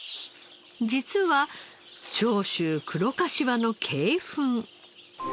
実は長州黒かしわの鶏ふん。